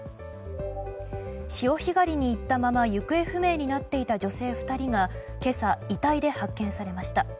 潮干狩りに行ったまま行方不明になっていた女性２人が今朝遺体で発見されました。